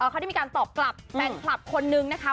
เขาได้มีการตอบกลับแฟนคลับคนนึงนะคะ